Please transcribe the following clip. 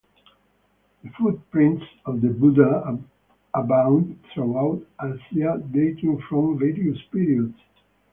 The footprints of the Buddha abound throughout Asia, dating from various periods.